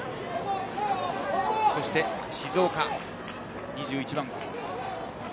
そして静岡、２１番。